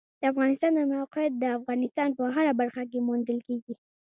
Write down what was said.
د افغانستان د موقعیت د افغانستان په هره برخه کې موندل کېږي.